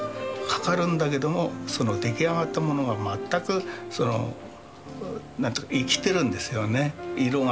かかるんだけども出来上がったものが全く生きてるんですよね。